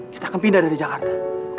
kita akan pindah dari jakarta